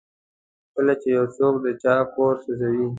کله چې یو څوک د چا کور سوځوي.